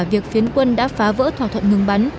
việc phiến quân đã phá vỡ thỏa thuận ngừng bắn